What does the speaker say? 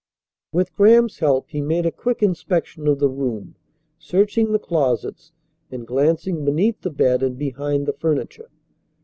With Graham's help he made a quick inspection of the room, searching the closets and glancing beneath the bed and behind the furniture.